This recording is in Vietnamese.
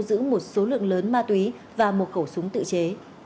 công an huyện phong điền đã thu giữ một số lượng lớn ma túy và một khẩu súng tự chế